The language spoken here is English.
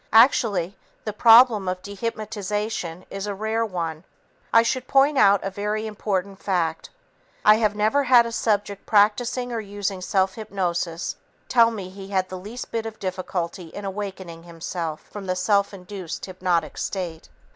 Actually, the problem of dehypnotization is a rare one. I should point out a very important fact. _I have never had a subject practicing or using self hypnosis tell me he had the least bit of difficulty in awakening himself from the self induced hypnotic state.